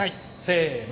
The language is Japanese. せの。